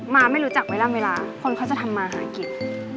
มาไม่รู้เจอกันมาเริ่มเวลาคนเค้าจะทำมาหากิด